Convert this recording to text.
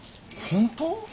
本当？